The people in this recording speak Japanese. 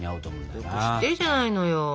よく知ってるじゃないのよ。